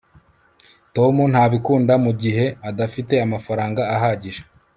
tom ntabikunda mugihe adafite amafaranga ahagije